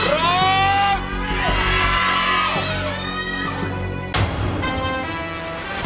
ร้อง